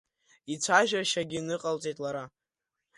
Ицәажәашьагьы ныҟалҵеит лара.